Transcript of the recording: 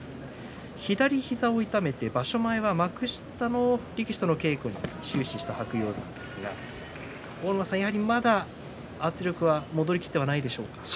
左膝を痛めて場所前は幕下の力士との稽古に終始した白鷹山ですが、まだ圧力は戻りきっていないでしょうか？